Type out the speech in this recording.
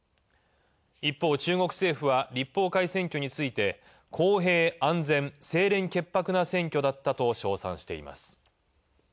一方、中国政府は立法会選挙について公平、安全、清廉潔白な選挙だったと称賛しています。